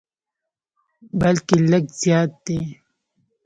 بلکې لږ زیات دي.